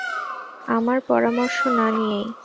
আমার পরামর্শ না নিয়েই?